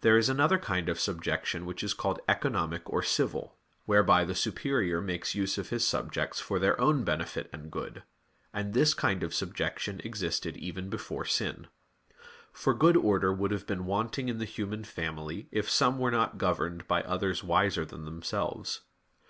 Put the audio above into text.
There is another kind of subjection which is called economic or civil, whereby the superior makes use of his subjects for their own benefit and good; and this kind of subjection existed even before sin. For good order would have been wanting in the human family if some were not governed by others wiser than themselves.